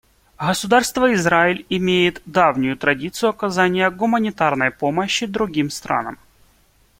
Государство Израиль имеет давнюю традицию оказания гуманитарной помощи другим странам.